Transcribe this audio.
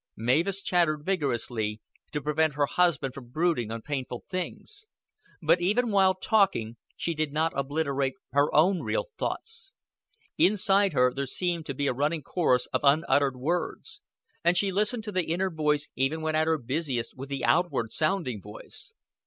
Mavis chattered vigorously, to prevent her husband from brooding on painful things; but, even while talking, she did not obliterate her own real thoughts. Inside her there seemed to be a running chorus of unuttered words, and she listened to the inner voice even when at her busiest with the outward sounding voice.